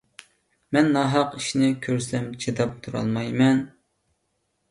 مەن ناھەق ئىشنى كۆرسەم چىداپ تۇرالمايمەن.